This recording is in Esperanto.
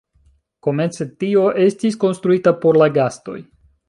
Komence tio estis konstruita por la gastoj.